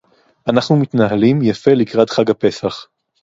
אנחנו מתנהלים יפה לקראת חג הפסח